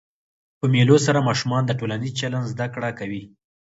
په مېلو سره ماشومان د ټولنیز چلند زده کړه کوي.